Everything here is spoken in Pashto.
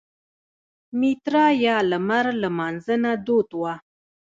میترا یا لمر لمانځنه دود وه